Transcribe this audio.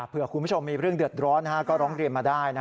คุณผู้ชมมีเรื่องเดือดร้อนก็ร้องเรียนมาได้